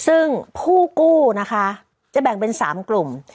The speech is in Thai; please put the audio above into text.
ซึ่งผู้กู้นะคะจะแบ่งเป็น๓กลุ่ม